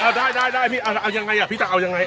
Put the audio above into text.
อ่ะได้พี่เอายังไงอ่ะพี่ตัดเอายังไง